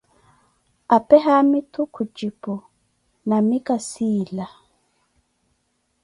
apee haamitu khujipu, naamu kasiila.